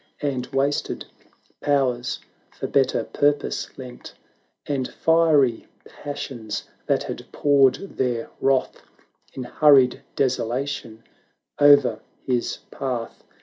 And wasted powers for better purpose lent; And fiery passions that had poured their wrath In hurried desolation o'er his path.